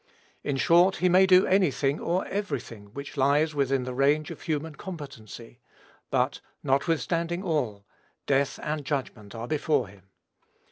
In short, he may do any thing, or every thing which lies within the range of human competency; but, notwithstanding all, "death and judgment" are before him.